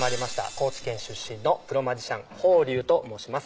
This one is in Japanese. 高知県出身のプロマジシャン・峰龍と申します